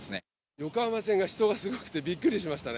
横浜線が人がすごくてびっくりしましたね。